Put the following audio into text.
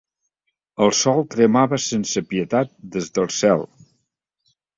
El sol cremava sense pietat des del cel.